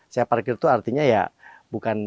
saya parkir itu artinya ya bukan